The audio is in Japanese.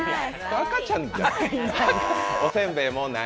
赤ちゃんじゃない？